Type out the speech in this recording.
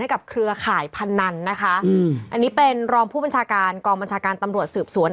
เครือข่ายพนันนะคะอืมอันนี้เป็นรองผู้บัญชาการกองบัญชาการตำรวจสืบสวน